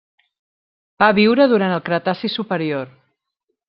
Va viure durant el Cretaci superior.